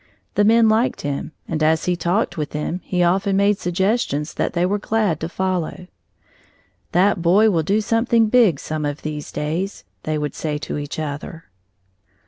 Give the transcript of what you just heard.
The men liked him, and as he talked with them, he often made suggestions that they were glad to follow. "That boy will do something big some of these days," they would say to each other.